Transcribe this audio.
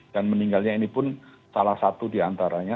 dan meninggalnya ini pun salah satu diantaranya